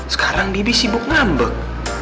sekarang bibi sibuk ngambek